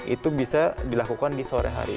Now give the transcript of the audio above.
itu bisa dilakukan di sore hari